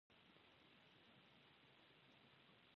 مستو اریانه او حیرانه شوه.